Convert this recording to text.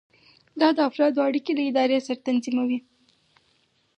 دا د افرادو اړیکې له ادارې سره تنظیموي.